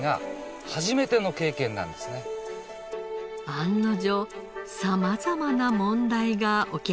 案の定様々な問題が起き始めました。